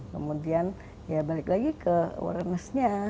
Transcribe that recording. kemudian ya balik lagi ke awarenessnya